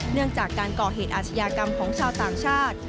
เนื่องจากการก่อเหตุอาชญากรรมของชาวต่างชาติ